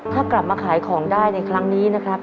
ถ้ากลับมาขายของได้ในครั้งนี้นะครับ